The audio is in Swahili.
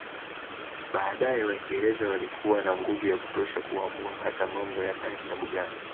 Baadae Waingereza walikuwa na nguvu ya kutosha kuamua hata mambo ya ndani ya Buganda